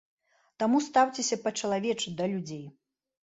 Таму стаўцеся па-чалавечы да людзей.